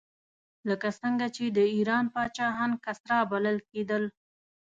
لکه څنګه چې د ایران پاچاهان کسرا بلل کېدل.